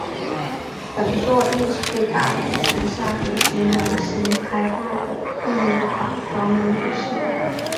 本作亦是大宇旗下北京软星开发的第一款桌面游戏。